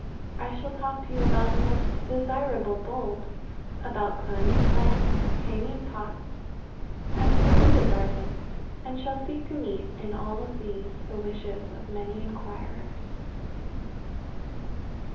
I shall talk to you about the most desirable bulbs, about climbing plants, hanging pots, and the window garden, and shall seek to meet in all these the wishes of many inquirers.